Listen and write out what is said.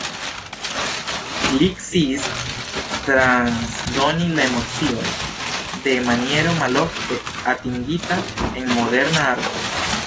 Li sciis transdoni la emocioj en maniero malofte atingita en moderna arto.